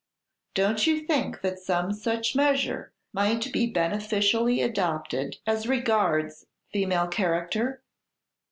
Don't you think that some such measure might be beneficially adopted as regards female character?